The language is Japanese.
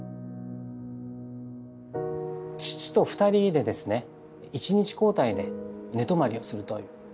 父と２人でですね１日交代で寝泊まりをするという。